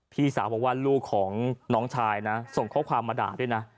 พี่สาวบอกว่าลูกของน้องชายนะส่งข้อความมาด่าด้วยนะ